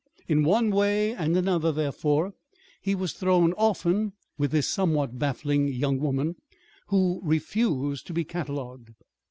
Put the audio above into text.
In one way and another, therefore, he was thrown often with this somewhat baffling young woman, who refused to be catalogued.